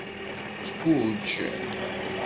Tguǧǧ.